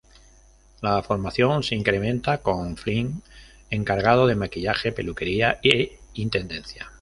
La formación se incrementa con Flint, encargado de maquillaje, peluquería e intendencia.